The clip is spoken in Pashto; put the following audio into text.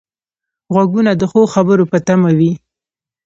غوږونه د ښو خبرو په تمه وي